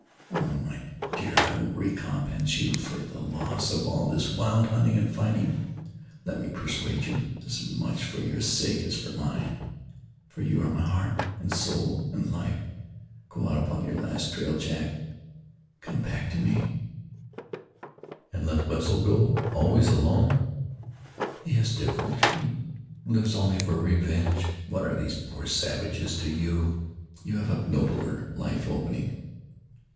Oh! my dear, I will recompense you for the loss of all this wild hunting and fighting. Let me persuade you, as much for your sake as for mine, for you are my heart, and soul, and life. Go out upon your last trail, Jack, and come back to me." "An' let Wetzel go always alone?" "He is different; he lives only for revenge. What are those poor savages to you? You have a better, nobler life opening."